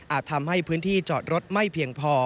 ทำให้พื้นที่จอดรถไม่เพียงพอ